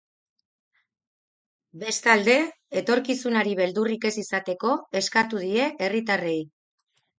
Bestalde, etorkizunari beldurrik ez izateko eskatu die herritarrei.